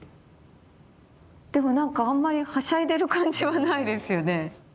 でもなんかあんまりはしゃいでる感じはないですよね。